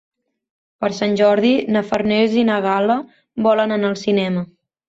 Per Sant Jordi na Farners i na Gal·la volen anar al cinema.